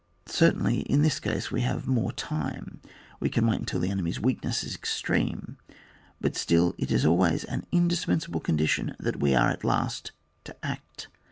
Certainly in this case we have more time ; we can wait until the enemy's weakness is extreme, but still it is always an in dispensable condition that we are at last to act.